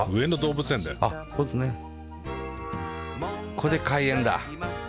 これで開園だ。